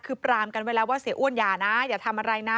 คือปรามกันไว้แล้วว่าเสียอ้วนอย่านะอย่าทำอะไรนะ